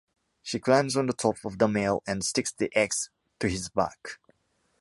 She climbs on top of the male and sticks the eggs to his back.